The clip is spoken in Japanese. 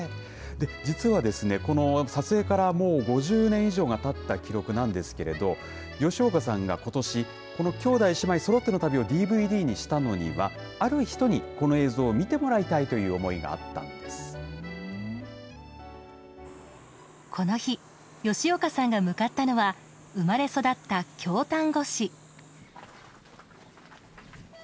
実はですね、撮影からもう５０年以上がたった記録なんですけれど吉岡さんが、ことしこの兄弟姉妹そろっての旅をＤＶＤにしたのはある人にこの映像を見てもらいたいという思いがこの日吉岡さんが向かったのは生まれ育った、京丹後市。